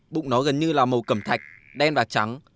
bụng nó gần như là màu cẩm thạch đen và trắng